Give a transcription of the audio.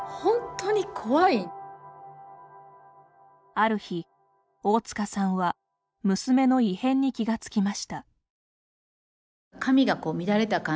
ある日、大塚さんは娘の異変に気が付きました。